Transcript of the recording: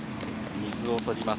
水を取ります